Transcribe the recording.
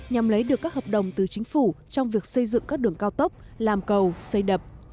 nhằm lấy được các hợp đồng từ chính phủ trong việc xây dựng các đường cao tốc làm cầu xây đập